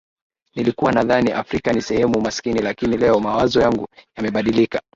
Nilikuwa nadhani Afrika ni sehemu maskini lakini leo mawazo yangu yamebadilika